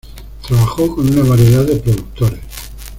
Trabajó con una variedad de productores.